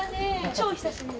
超久しぶり。